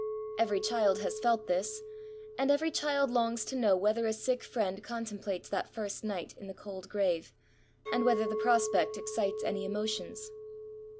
Every child has felt this : and every child longs to know whether a sick Mend contemplates that first night in the cold grave, and whether the prospect excites any emotions.